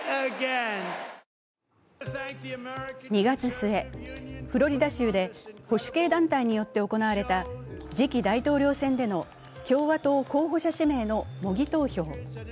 ２月末、フロリダ州で保守系団体によって行われた次期大統領選での共和党候補者指名の模擬投票。